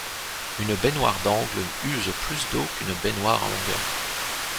une baignoire d'angle use plus d'eau qu'une baignoire en longueur